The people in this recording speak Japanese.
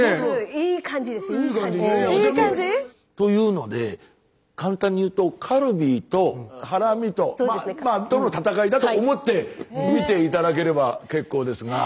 いい感じ？というので簡単に言うとカルビとハラミととの戦いだと思って見て頂ければ結構ですが。